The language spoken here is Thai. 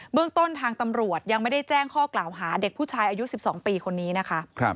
เรื่องต้นทางตำรวจยังไม่ได้แจ้งข้อกล่าวหาเด็กผู้ชายอายุ๑๒ปีคนนี้นะคะ